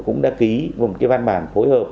cũng đã ký văn bản phối hợp